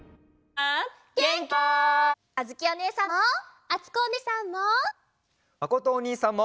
あづきおねえさんも！